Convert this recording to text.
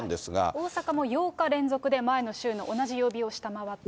大阪も８日連続で前の週の同じ曜日を下回っています。